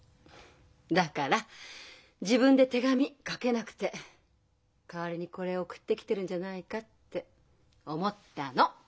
だから自分で手紙書けなくて代わりにこれを送ってきてるんじゃないかって思ったの！